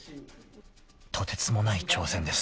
［とてつもない挑戦です］